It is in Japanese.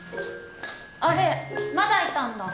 ・あれまだいたんだ。